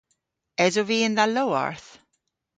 Esov vy yn dha lowarth?